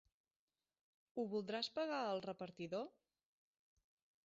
Ho voldràs pagar al repartidor?